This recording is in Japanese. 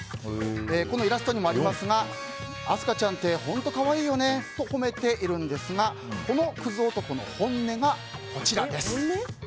このイラストにもありますが「あすかちゃんって、ほんとかわいいよね」と褒めているんですがこのクズ男の本音がこちらです。